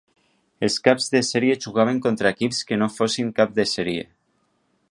Els caps de sèrie jugaven contra equips que no fossin cap de sèrie.